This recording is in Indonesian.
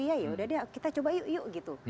iya yaudah deh kita coba yuk gitu